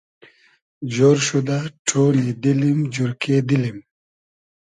جۉر شودۂ ݖۉنی دیلیم جورکې دیلیم